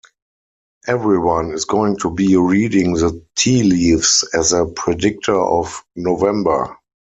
Everyone is going to be reading the tea leaves as a predictor of November.